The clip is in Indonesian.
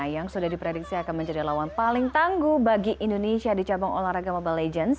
yang sudah diprediksi akan menjadi lawan paling tangguh bagi indonesia di cabang olahraga mobile legends